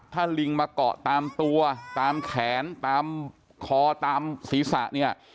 ถ้าลิงมาเกาะตามตัวตามแขนตามคอตามศีรษะเนี่ย